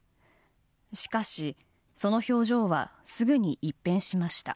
しかし、その表情はすぐに一変しました。